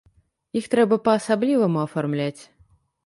Іх трэба па-асабліваму афармляць.